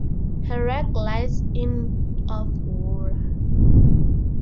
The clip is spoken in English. Her wreck lies in of water.